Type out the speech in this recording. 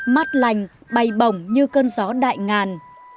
mắt lành bay bỏng như cơn gió đại ngàn